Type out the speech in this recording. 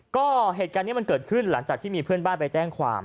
ก็เหตุการณ์นี้มันเกิดขึ้นหลังจากที่มีเพื่อนบ้านไปแจ้งความ